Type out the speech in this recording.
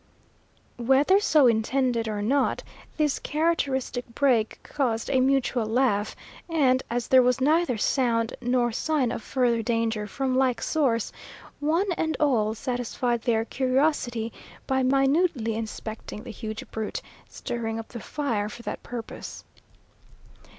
Whether so intended or not, this characteristic break caused a mutual laugh, and, as there was neither sound nor sign of further danger from like source, one and all satisfied their curiosity by minutely inspecting the huge brute, stirring up the fire for that purpose.